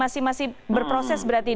masih di dalam proses penyidikan